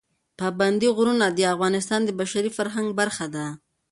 پابندی غرونه د افغانستان د بشري فرهنګ برخه ده.